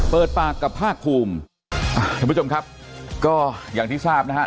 เปิดปากกับภาคภูมิท่านผู้ชมครับก็อย่างที่ทราบนะฮะ